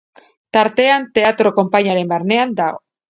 Tartean teatroa konpainiaren barnean dago.